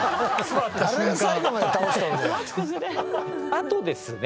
あとですね